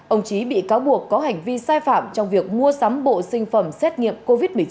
ông trí bị cáo buộc có hành vi sai phạm trong việc mua sắm bộ sinh phẩm xét nghiệm covid một mươi chín